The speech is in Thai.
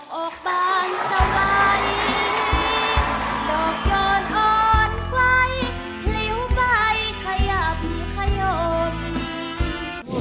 ลูกน้ำชม